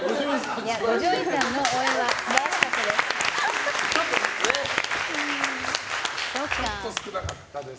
五条院さんの応援は素晴らしかったです。